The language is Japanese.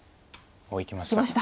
いきました。